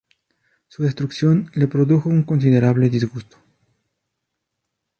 Su destrucción le produjo un considerable disgusto.